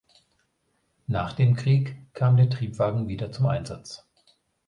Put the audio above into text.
Nach dem Krieg kam der Triebwagen wieder zum Einsatz.